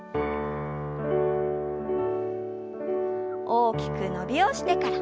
大きく伸びをしてから。